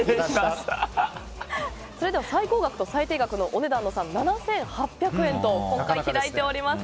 最高額と最低額のお値段の差は７８００円と開いております。